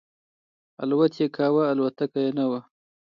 الوت یې کاو الوتکه یې نه وه.